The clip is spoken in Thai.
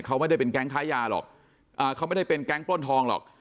เขาไม่ได้เป็นแก๊งค้ายาหรอกเขาไม่ได้เป็นแก๊งปล้นทองหรอก